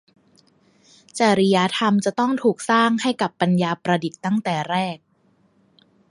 จริยธรรมจะต้องถูกสร้างให้กับปัญญาประดิษฐ์ตั้งแต่แรก